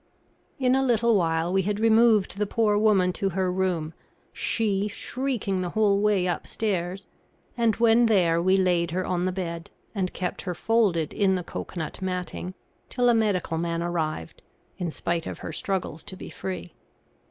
In a little while we had removed the poor woman to her room, she shrieking the whole way upstairs; and, when there, we laid her on the bed, and kept her folded in the cocoanut matting till a medical man arrived, in spite of her struggles to be free.